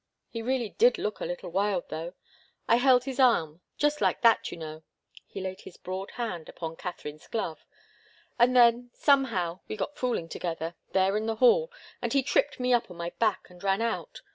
He really did look a little wild, though! I held his arm just like that, you know " he laid his broad hand upon Katharine's glove "and then, somehow, we got fooling together there in the hall and he tripped me up on my back, and ran out.